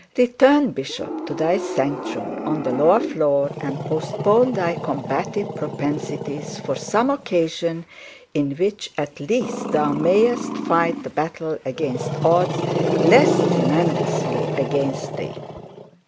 Return, bishop, to thy sanctum on the lower floor, and postpone thy combative propensities for some occasion in which at least thou mayest fight the battle against odds less tremendously against thee.